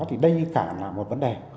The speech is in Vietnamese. thì đây cả là một vấn đề